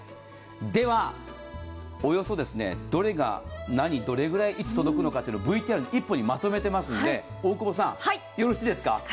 ではおよそどれが何、どれぐらい、いつ届くかというのをＶＴＲ一本にまとめていますので大久保さん、よろしいですか？